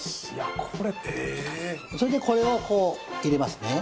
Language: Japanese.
それでこれをこう入れますね。